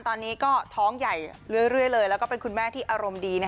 ตอนนี้ก็ท้องใหญ่เรื่อยเลยแล้วก็เป็นคุณแม่ที่อารมณ์ดี